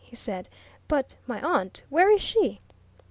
he said. "But my aunt? Where is she?"